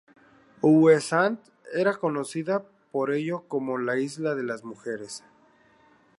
Ouessant era conocida por ello como "la isla de las mujeres".